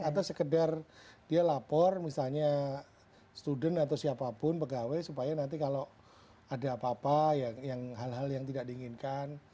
atau sekedar dia lapor misalnya student atau siapapun pegawai supaya nanti kalau ada apa apa hal hal yang tidak diinginkan